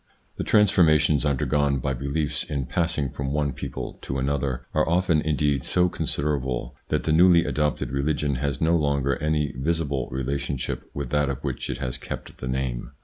The transformations undergone by beliefs in pass ing from one people to another are often indeed so considerable, that the newly adopted religion has no longer any visible relationship with that of which it has kept the n'ame.